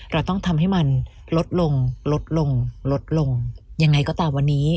เราต้องทำให้มันลดลงลดลงลดลงยังไงก็ตามวันนี้